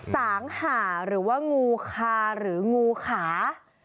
สางหาหรือว่างูคาหรืองูขา